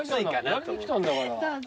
やりに来たんだから。どうぞ。